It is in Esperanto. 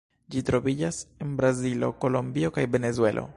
Ĝi troviĝas en Brazilo, Kolombio kaj Venezuelo.